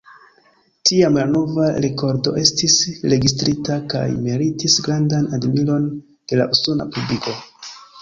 Tiam la nova rekordo estis registrita kaj meritis grandan admiron de la usona publiko.